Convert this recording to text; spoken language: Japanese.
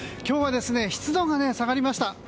今日は湿度が下がりました。